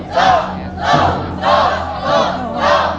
สู้